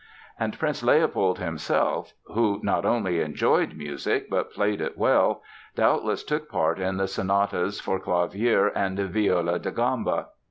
And Prince Leopold, himself, who not only enjoyed music but played it well, doubtless took part in the sonatas for clavier and viola da gamba.